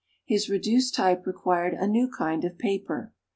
His reduced type required a new kind of paper.